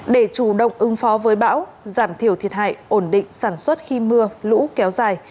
để chủ động ứng phó với bão giảm thiểu thiệt hại ổn định sản xuất khi mưa lũ kéo dài